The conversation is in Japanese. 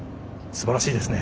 すばらしいですね。